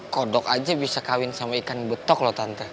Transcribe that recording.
kodok aja bisa kawin sama ikan betok loh tante